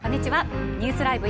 ニュースＬＩＶＥ！